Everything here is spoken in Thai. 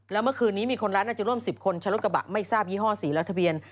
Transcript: แล้วเมื่อคืนนี้มีคนร้ายน่าจะร่วม๑๐คนใช้รถกระบะไม่ทราบยี่ห้อสีและทะเบียน